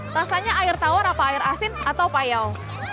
rasanya air tawar apa air asin atau payau